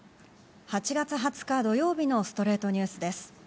８月２０日、土曜日の『ストレイトニュース』です。